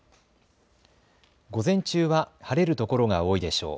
午前中は晴れる所が多いでしょう。